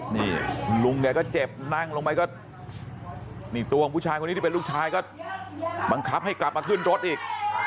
นี่ลุงแกก็เจ็บนั่งลงไปก็นี่ตัวของผู้ชายคนนี้ที่เป็นลูกชายก็บังคับให้กลับมาขึ้นรถอีก